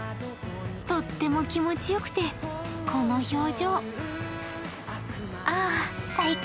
とっても気持ちよくて、この表情。